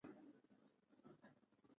په دې ډله کې غلۀ او لاره وهونکي شامل وو.